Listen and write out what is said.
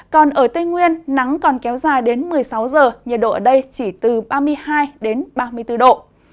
còn ở tây nguyên nắng còn kéo dài đến một mươi sáu giờ nhiệt độ ở đây chỉ từ ba mươi hai đến ba mươi bốn độ